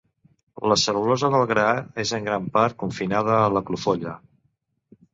La cel·lulosa del gra és en gran part confinada a la clofolla.